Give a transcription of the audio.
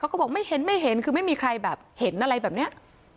เขาบอกไม่เห็นไม่เห็นคือไม่มีใครแบบเห็นอะไรแบบนี้